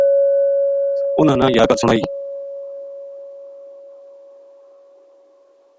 اُنھاں نا یاہ گل سنائی